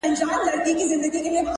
ځوانو لوبغاړو ته دې هم ډېر ډېر مبارک وي